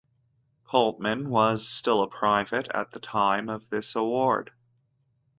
Coltman was still a private at the time of this award.